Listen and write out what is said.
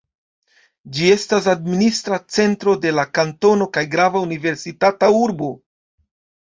Ĝi estas administra centro de la kantono kaj grava universitata urbo.